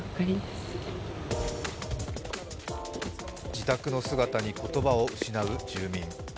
自宅の姿に言葉を失う住民。